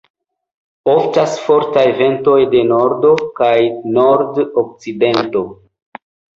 Oftas fortaj ventoj de nordo kaj nord-okcidento.